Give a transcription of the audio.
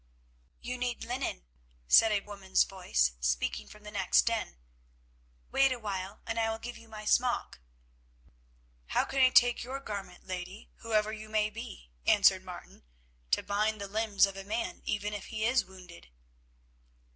"You need linen," said a woman's voice, speaking from the next den. "Wait awhile and I will give you my smock." "How can I take your garment, lady, whoever you may be," answered Martin, "to bind about the limbs of a man even if he is wounded?"